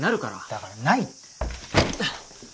だからないって。